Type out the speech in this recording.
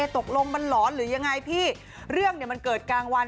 ตกลงมันหลอนหรือยังไงพี่เรื่องมันเกิดกลางวัน